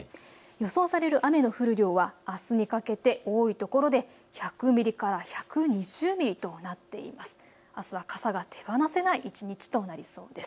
予想される雨の降る量はあすにかけて多いところで１００ミリから１２０ミリとなっています。